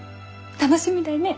楽しみだいねぇ。